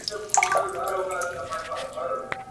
پیغام د ښکلیو کلماتو، استعارو، !.